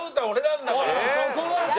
そこはさ。